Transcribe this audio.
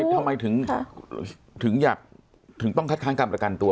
ทำไมถึงต้องคัดค้างรับประกันตัว